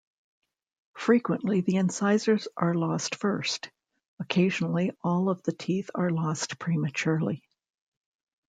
Frequently, the incisors are lost first; occasionally all of the teeth are lost prematurely.